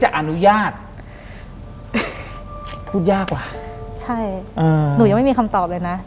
หลังจากนั้นเราไม่ได้คุยกันนะคะเดินเข้าบ้านอืม